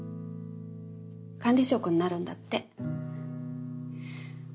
管理職になるんだって。